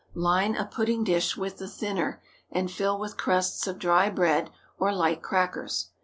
Line a pudding dish with the thinner, and fill with crusts of dry bread or light crackers.